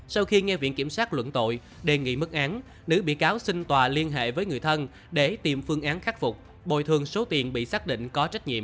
sau khi nghe viện kiểm soát luận tội đề nghị mức án nữ bị cáo xin tòa liên hệ với người thân để tìm phương án khắc phục